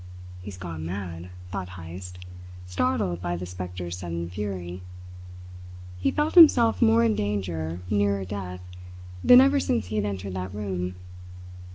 "He's gone mad," thought Heyst, startled by the spectre's sudden fury. He felt himself more in danger, nearer death, than ever since he had entered that room.